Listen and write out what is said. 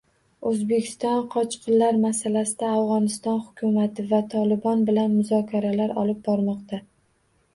O‘zbekiston qochqinlar masalasida Afg‘oniston hukumati va “Tolibon” bilan muzokaralar olib bormoqda